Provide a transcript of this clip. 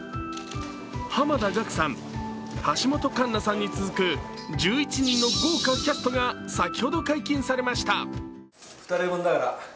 濱田岳さん、橋本環奈さんに続く１１人の豪華キャストが先ほど解禁されました。